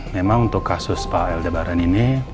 memang untuk kasus pak aelda baran ini